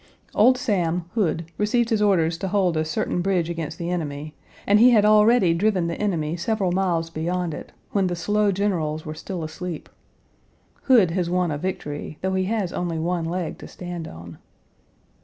Old Sam (Hood) received his orders to hold a certain bridge against the enemy, and he had already driven the enemy several miles beyond it, when the slow generals were still asleep. Hood has won a victory, though he has only one leg to stand on.